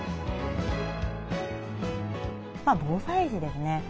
防災時ですね